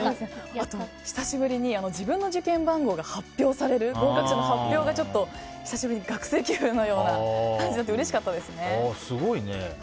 あと、久しぶりに自分の受験番号が発表される合格者の発表が久しぶりに学生気分のような感じになってすごいね。